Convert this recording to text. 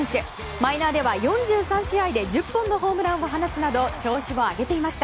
マイナーでは４３試合で１０本のホームランを放つなど調子を上げていました。